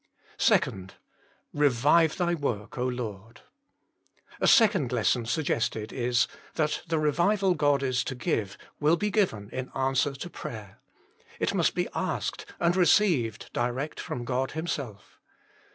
2. " Revive Thy work, Lord I " A second lesson suggested is, that the revival God is to give will be given in answer to prayer. It must be asked and received direct from God Himself.